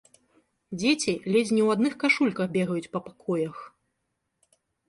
Дзеці ледзь не ў адных кашульках бегаюць па пакоях.